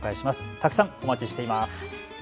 たくさんお待ちしています。